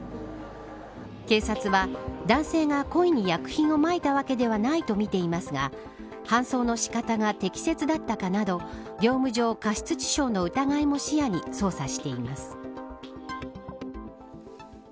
警察は、男性が故意に薬品をまいたわけではないと見ていますが搬送の仕方が適切だったかなど業務上過失致傷の疑いも視野に捜査しています。